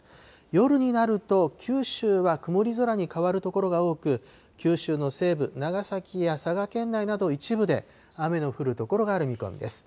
夜になると九州は曇り空に変わる所が多く、九州の西部、長崎や佐賀県内など一部で、雨の降る所がある見込みです。